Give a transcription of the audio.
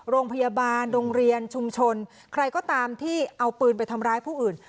โรงเรียนชุมชนใครก็ตามที่เอาปืนไปทำร้ายผู้อื่น